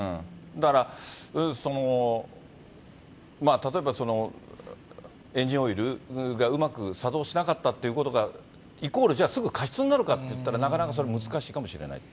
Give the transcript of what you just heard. だから、例えばエンジンオイルがうまく作動しなかったということが、イコール、じゃあ、すぐ過失になるかといったらなかなかそれ、難しいかもしれないと。